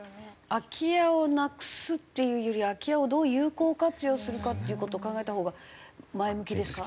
空き家をなくすっていうより空き家をどう有効活用するかっていう事を考えたほうが前向きですか？